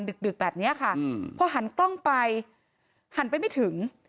ดึกแบบนี้ค่ะพอหันกล้องไปหันไปไม่ถึง